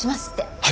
はい。